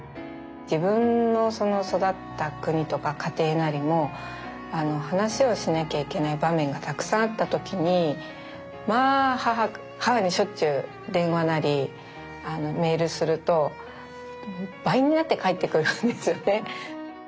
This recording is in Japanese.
自分の育った国とか家庭なりも話をしなきゃいけない場面がたくさんあった時にまあ母にしょっちゅう電話なりメールすると倍になって返ってくるんですよね。